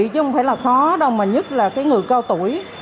chứ không phải là khó đâu mà nhất là cái người cao tuổi